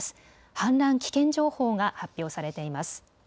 氾濫危険情報が発表されています。